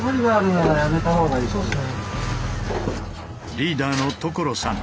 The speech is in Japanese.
リーダーの所さん